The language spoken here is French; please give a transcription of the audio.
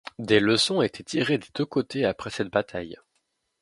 Des leçons ont été tirées des deux côtés après cette bataille.